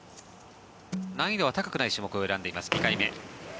難易度は高くない種目を選んでいます、２回目。